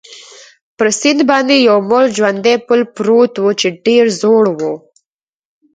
پر سیند باندې یو مړ ژواندی پل پروت وو، چې ډېر زوړ وو.